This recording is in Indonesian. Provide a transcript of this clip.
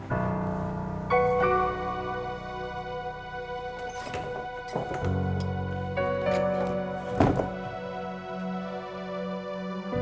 dramatis sisa cinta di sektor